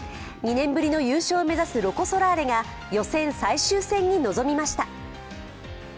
２年ぶりの優勝を目指すロコ・ソラーレが予選最終戦に臨みました。